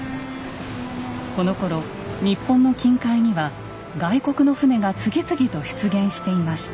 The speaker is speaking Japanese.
このころ日本の近海には外国の船が次々と出現していました。